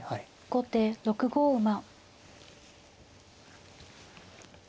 後手６五馬。